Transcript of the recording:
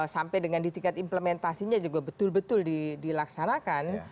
sampai dengan di tingkat implementasinya juga betul betul dilaksanakan